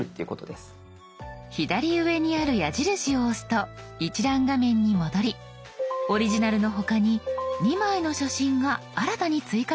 左上にある矢印を押すと一覧画面に戻りオリジナルの他に２枚の写真が新たに追加されました。